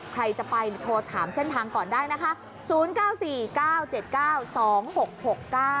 ใครจะไปโทรถามเส้นทางก่อนได้นะคะ